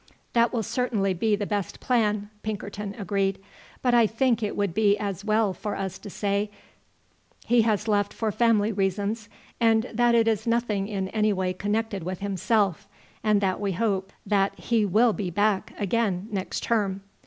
"That will certainly be the best plan," Pinkerton agreed; "but I think it would be as well for us to say he has left for family reasons, and that it is nothing in any way connected with himself, and that we hope that he will be back again next term."